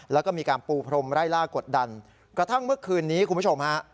แล้วก็มีการปูพรมไล่ล่ากดดันกระทั่งเมื่อคืนนี้คุณผู้ชมฮะ